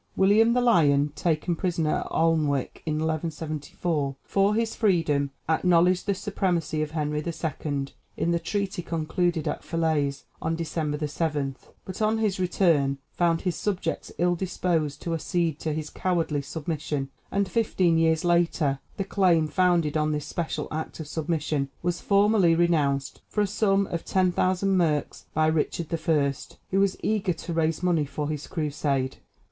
William the Lion, taken prisoner at Alnwick in 1174, for his freedom acknowledged the supremacy of Henry II. in the treaty concluded at Felaise on December 7; but on his return found his subjects ill disposed to accede to his cowardly submission; and fifteen years later the claim founded on this special act of submission was formally renounced for a sum of 10,000 merks by Richard I., who was eager to raise money for his Crusade.